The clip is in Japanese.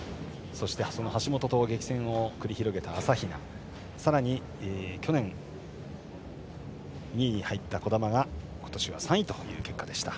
その橋本と激戦を繰り広げた朝比奈さらに、去年２位に入った児玉が今年は３位という結果でした。